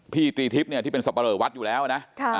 ตรีตรีทิพย์เนี่ยที่เป็นสับปะเลอวัดอยู่แล้วนะ